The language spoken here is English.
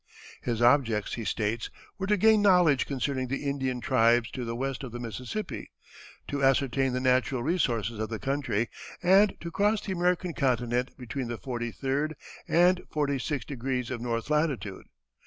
His objects, he states, were to gain knowledge concerning the Indian tribes to the west of the Mississippi, to ascertain the natural resources of the country, and to cross the American continent between the forty third and forty sixth degrees of north latitude.